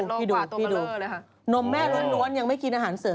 นมแม่ล้วนยังไม่กินอาหารเสริมเพราะยังไม่กินอาหารเสริม